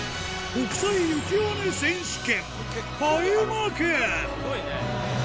国際雪ハネ選手権。